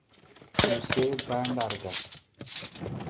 Susɛʼ bàa ɗaar gà.